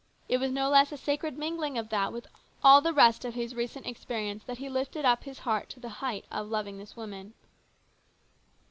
It was no less a sacred mingling of that with all the rest of his recent experience that he lifted up his heart to the height of loving this woman.